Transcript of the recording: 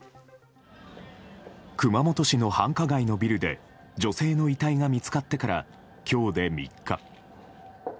熊本市の繁華街のビルで女性の遺体が見つかってから今日で３日。